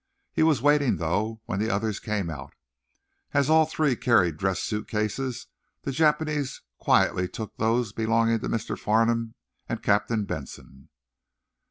He was waiting, though, when the others came out. As all three carried dress suit cases the Japanese quietly took those belonging to Mr. Farnum and Captain Benson.